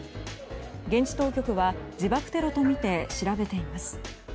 現地当局は自爆テロとみて調べています。